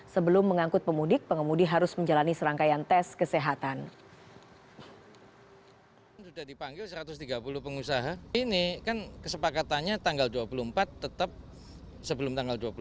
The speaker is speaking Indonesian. sebelum mengangkut pemudik pengemudi harus menjalani serangkaian tes kesehatan